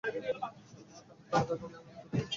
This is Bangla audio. তাঁহারা তাঁহাদের ভগবান লাভ করুন।